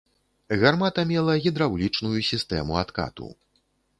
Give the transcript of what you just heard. Гармата мела гідраўлічную сістэму адкату.